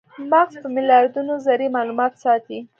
مغز په میلیاردونو ذرې مالومات ساتي.